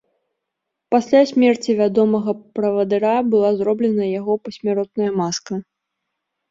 Пасля смерці вядомага правадыра была зроблена яго пасмяротная маска.